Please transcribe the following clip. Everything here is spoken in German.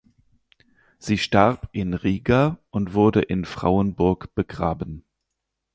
Sie starb in Riga und wurde in Frauenburg begraben.